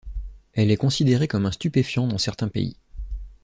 Elle est considérée comme un stupéfiant dans certains pays.